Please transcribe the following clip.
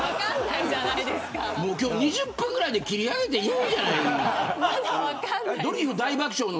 今日２０分ぐらいで切り上げていいんじゃないの。